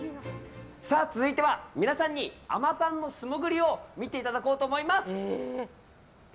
続いては皆さんに海女さんの素潜りを見ていただこうと思います。